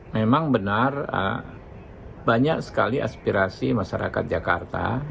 memang benar banyak sekali aspirasi masyarakat jakarta